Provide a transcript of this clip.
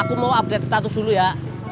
update statusnya dulu ya